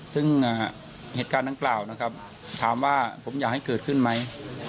ซึ่งเหตุการณ์ทั้งเปล่าถามว่าผมอยากให้เกิดขึ้นไหม